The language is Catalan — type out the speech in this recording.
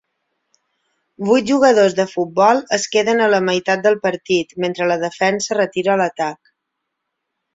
Vuit jugadors de futbol es queden a la meitat del partit mentre la defensa retira l'atac.